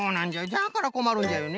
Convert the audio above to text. じゃからこまるんじゃよね。